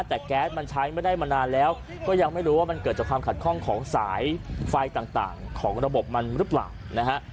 แต่แก๊สมันใช้ไม่ได้มานานแล้วก็ยังไม่รู้ว่ามันเกิดจากความขัดข้องของสายไฟต่างของระบบมันหรือเปล่านะฮะ